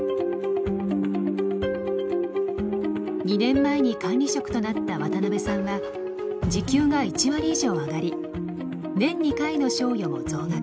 ２年前に管理職となった渡邊さんは時給が１割以上上がり年２回の賞与も増額。